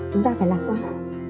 chúng ta phải lạc quan